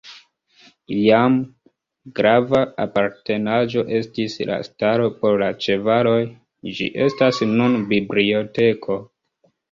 Iam grava apartenaĵo estis la stalo por la ĉevaloj, ĝi estas nun biblioteko.